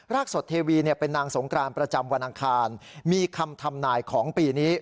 รากสดเทวีเนี่ยเป็นนางสงครานประจำวันอังคารมีคำธรรมนายของปีนี้